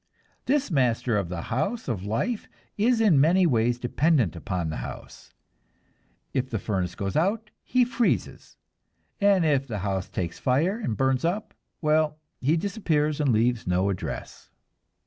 This master of the house of life is in many ways dependent upon the house. If the furnace goes out he freezes, and if the house takes fire and burns up well, he disappears and leaves no address.